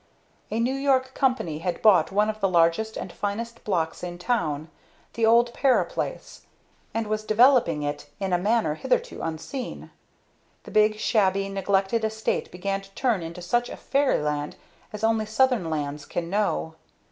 A New York company had bought one of the largest and finest blocks in town the old Para place and was developing it in a manner hitherto unseen. The big, shabby, neglected estate began to turn into such a fairyland as only southern lands can know.